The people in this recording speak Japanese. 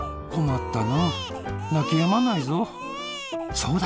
そうだ！